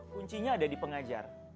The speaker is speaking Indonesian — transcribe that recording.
kuncinya ada di pengajar